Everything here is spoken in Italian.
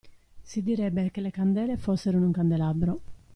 Si direbbe che le candele fossero in un candelabro.